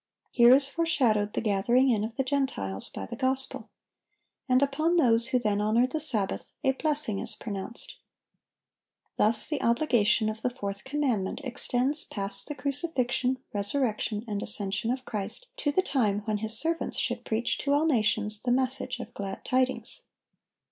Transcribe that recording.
(762) Here is foreshadowed the gathering in of the Gentiles by the gospel. And upon those who then honor the Sabbath, a blessing is pronounced. Thus the obligation of the fourth commandment extends past the crucifixion, resurrection, and ascension of Christ, to the time when His servants should preach to all nations the message of glad tidings.